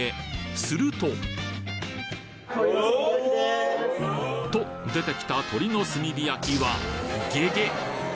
するとと出てきた鶏の炭火焼きはゲゲッ！！